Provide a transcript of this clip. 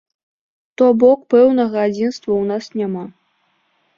То бок пэўнага адзінства ў нас няма.